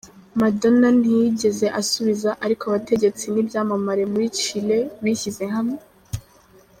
Madonna ntiyigeze asubiza ariko abategetsi n’ibyamamare muri Chile bishyize hamwe.